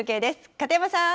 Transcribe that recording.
片山さん。